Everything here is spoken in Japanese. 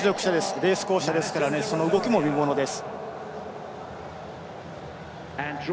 レース巧者ですからその動きも見ものです。